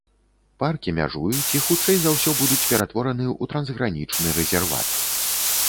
Паркі мяжуюць і хутчэй за ўсё будуць ператвораны ў трансгранічны рэзерват.